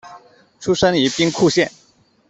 出身于兵库县。